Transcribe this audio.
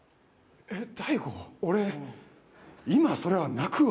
大悟、俺今、それは泣くわ。